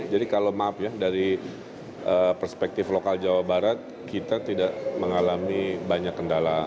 jadi kalau maaf ya dari perspektif lokal jawa barat kita tidak mengalami banyak kendala